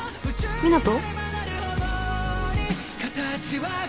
湊斗？